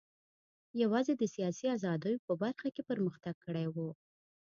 یوازې د سیاسي ازادیو په برخه کې پرمختګ کړی و.